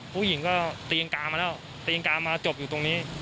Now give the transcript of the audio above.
ผู้หญิงก็เตียงกามาแล้วเตียงกามาจบอยู่ตรงนี้